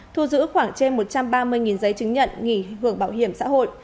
thu giữ khoảng trên một trăm ba mươi giấy chứng nhận nghỉ hưởng bảo hiểm xã hội